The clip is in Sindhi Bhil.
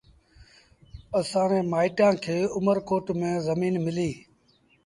اَسآݩ ري مآئيٚٽآن کي اُمرڪوٽ ميݩ زڃين مليٚ۔